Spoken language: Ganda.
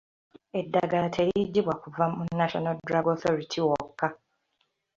Eddagala teriggibwa kuva mu National drug authority wokka.